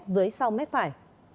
dưới sáu m phải